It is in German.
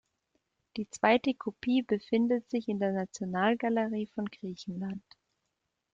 Die zweite Kopie befindet sich in der Nationalgalerie von Griechenland.